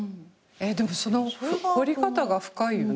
でもその掘り方が深いよね。